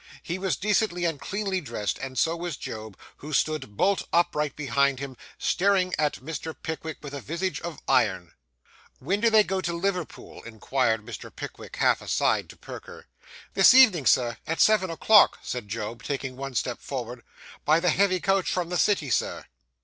He was decently and cleanly dressed, and so was Job, who stood bolt upright behind him, staring at Mr. Pickwick with a visage of iron. 'When do they go to Liverpool?' inquired Mr. Pickwick, half aside to Perker. 'This evening, Sir, at seven o'clock,' said Job, taking one step forward. 'By the heavy coach from the city, Sir.